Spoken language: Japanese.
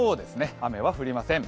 雨は降りません。